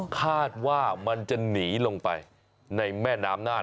คาดว่ามันจะหนีลงไปในแม่น้ำน่าน